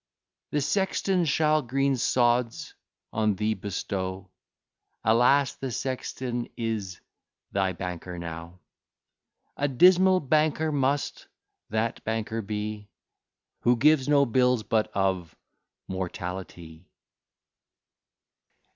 The sexton shall green sods on thee bestow; Alas, the sexton is thy banker now! A dismal banker must that banker be, Who gives no bills but of mortality!